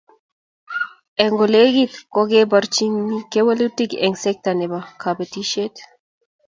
Eng kolegit kokebaorionchi kewelutik eng sekta nebo kobotisiet